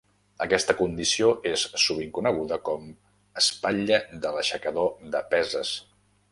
Aquesta condició és sovint coneguda com "espatlla de l'aixecador de peses".